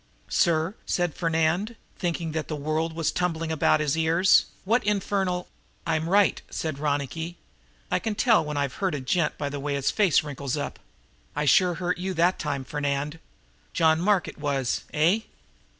"Sir," said Fernand, thinking that the world was tumbling about his ears, "what infernal " "I'm right," said Ronicky. "I can tell when I've hurt a gent by the way his face wrinkles up. I sure hurt you that time, Fernand. John Mark it was, eh?"